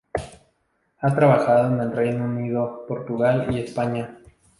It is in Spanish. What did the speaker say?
Ha trabajado en el Reino Unido, Portugal y España.